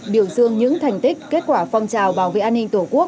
biểu dương những thành tích kết quả phong trào bảo vệ an ninh tổ quốc